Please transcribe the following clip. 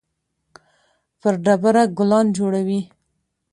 پر ډبره ګلان جوړوي